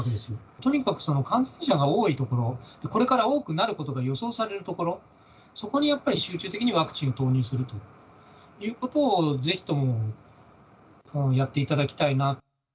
とにかく感染者が多い所、これから多くなることが予想されるところ、そこにやっぱり集中的にワクチンを投入するということを、ぜひともやっていただきたいな。